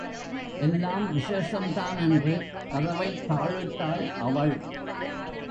எல்லாம் விசேஷம்தான் என்று கதவைத் தாழிட்டாள் அவள்.